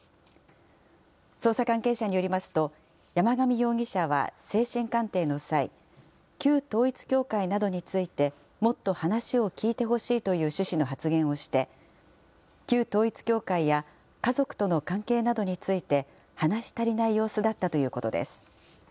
捜査関係者によりますと、山上容疑者は精神鑑定の際、旧統一教会などについてもっと話を聞いてほしいという趣旨の発言をして、旧統一教会や家族との関係などについて話し足りない様子だったということです。